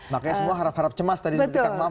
makanya semua harap harap cemas tadi seperti kang maman